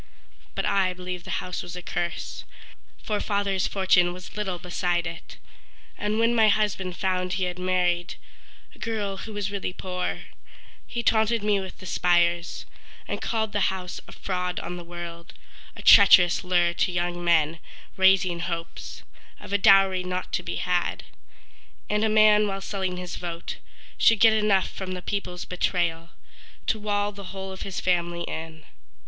But I believe the house was a curse, For father's fortune was little beside it; And when my husband found he had married A girl who was really poor, He taunted me with the spires, And called the house a fraud on the world, A treacherous lure to young men, raising hopes Of a dowry not to be had; And a man while selling his vote Should get enough from the people's betrayal To wall the whole of his family in.